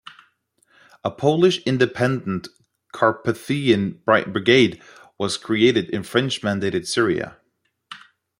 A Polish Independent Carpathian Brigade was created in French-mandated Syria.